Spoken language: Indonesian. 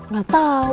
dia nggak setuju